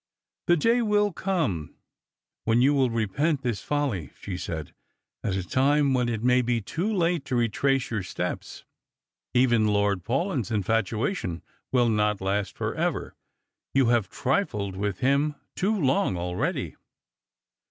" The day will come when you will repent this folly," she said, " at a time when it may be too late to retrace your steps. Even Lord Paulyn's infatuation will not last for ever; you have trifled with him too long already."